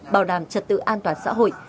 bảo đảm trật tự an toàn xã hội